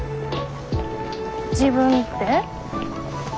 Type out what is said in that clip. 自分って？